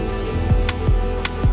terima kasih ya